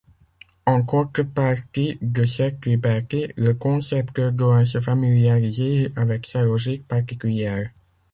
En contrepartie de cette liberté, le concepteur doit se familiariser avec sa logique particulière.